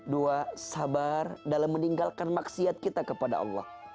dua sabar dalam meninggalkan maksiat kita kepada allah